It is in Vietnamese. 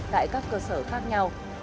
tại các cơ sở khác nhau